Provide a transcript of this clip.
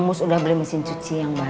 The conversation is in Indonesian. kamus udah beli mesin cuci yang baru